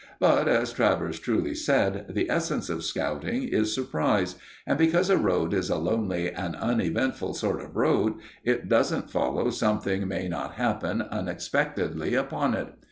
But, as Travers truly said, the essence of scouting is surprise, and because a road is a lonely and uneventful sort of road, it doesn't follow something may not happen unexpectedly upon it.